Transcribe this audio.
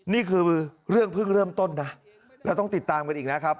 นี่คือเรื่องเพิ่งเริ่มต้นนะเราต้องติดตามกันอีกนะครับ